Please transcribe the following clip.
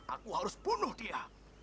aku harus bunuh dia